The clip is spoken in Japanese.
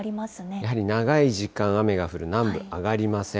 やはり長い時間、雨が降る南部、上がりません。